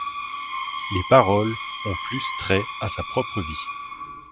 Les paroles ont plus trait à sa propre vie.